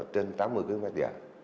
trên tám mươi kmh